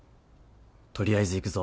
取りあえず行くぞ。